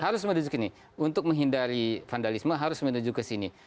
harus menuju kesini untuk menghindari vandalisme harus menuju kesini